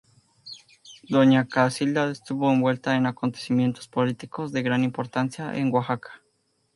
Doña Casilda estuvo envuelta en acontecimientos políticos de gran importancia en Oaxaca.